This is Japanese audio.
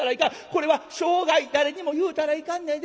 これは生涯誰にも言うたらいかんねやで。